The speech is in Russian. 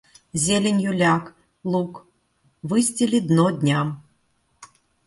Зеленью ляг, луг, выстели дно дням.